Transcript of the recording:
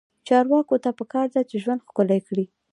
چارواکو ته پکار ده چې، ژوند ښکلی کړي.